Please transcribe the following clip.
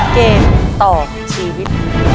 เกมต่อชีวิต